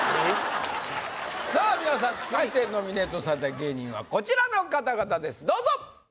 さあ皆さん続いてノミネートされた芸人はこちらの方々ですどうぞ！